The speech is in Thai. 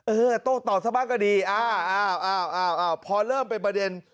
เออต้องตอบสักบันก็ดีพอเริ่มเป็นประเด็น